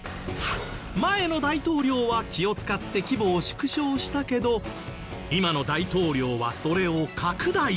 前の大統領は気を使って規模を縮小したけど今の大統領はそれを拡大。